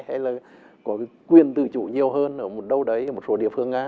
hay là có quyền tự chủ nhiều hơn ở đâu đấy một số địa phương nga